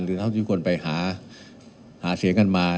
หรือเท่าที่ทุกคนไปหาเสียงกันมา